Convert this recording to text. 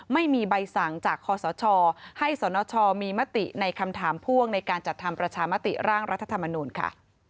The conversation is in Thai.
ไม่มีใบสั่งจากคอสชให้สนชมีมติในคำถามพ่วงในการจัดทำประชามติร่างรัฐธรรมนูลค่ะ